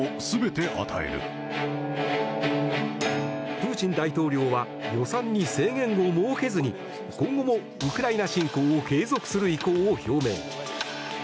プーチン大統領は予算に制限を設けずに今後もウクライナ侵攻を継続する意向を表明。